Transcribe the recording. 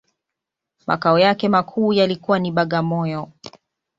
Makao yake makuu yalikuwa ni Bagamoyo